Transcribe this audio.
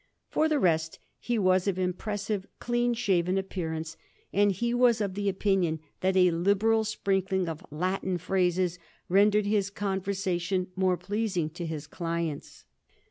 For the rest, he was of impressive, clean shaven appearance, and he was of the opinion that a liberal sprinkling of Latin phrases rendered his conversation more pleasing to his clients.